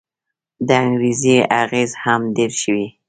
د انګرېزي اغېز هم ډېر شوی.